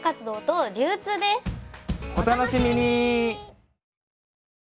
お楽しみに！